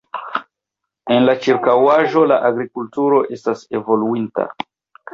En la ĉirkaŭaĵo la agrikulturo estas evoluinta.